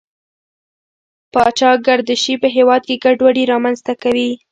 پاچا ګردشي په هېواد کې ګډوډي رامنځته کوي.